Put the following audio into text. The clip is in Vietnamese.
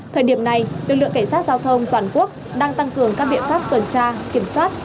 thời điểm này lực lượng cảnh sát giao thông toàn quốc đang tăng cường các biện pháp tuần tra kiểm soát